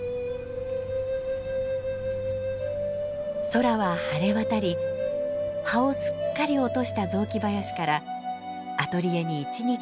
空は晴れ渡り葉をすっかり落とした雑木林からアトリエに一日中日がさし込みます。